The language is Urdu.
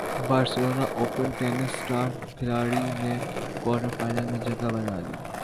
بارسلونا اوپن ٹینس اسٹار کھلاڑی نے کوارٹر فائنل میں جگہ بنا لی